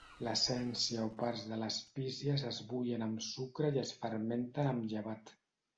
L'essència o parts de les pícees es bullen amb sucre i es fermenten amb llevat.